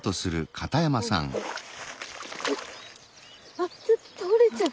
あっちょっと倒れちゃう。